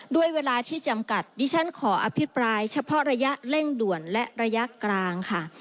ด้วยเวลาที่จำกัดดิฉันขออภิปรายเฉพาะระยะเร่งด่วนและระยะกลางค่ะ